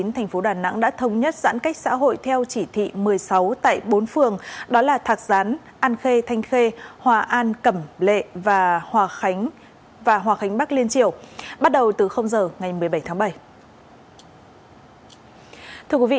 tp đà nẵng đã thông nhất giãn cách xã hội theo chỉ thị một mươi sáu tại bốn phường đó là thạc gián an khê thanh khê hòa an cẩm lệ và hòa khánh bắc liên triều bắt đầu từ giờ ngày một mươi bảy tháng bảy